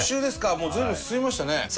もう随分進みましたねえ。